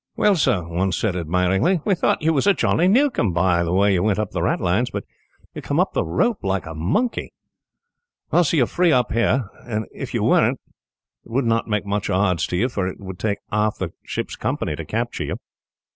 "Well, sir," one said, admiringly, "we thought you was a Johnny Newcome, by the way you went up the ratlines, but you came up that rope like a monkey. "Well, sir, you are free up here, and if you weren't it would not make much odds to you, for it would take half the ship's company to capture you."